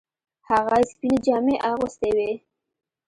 هغه سپینې جامې اغوستې وې.